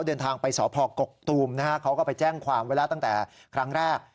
เดินทางไปสพกกตูมนะฮะเขาก็ไปแจ้งความไว้แล้วตั้งแต่ครั้งแรก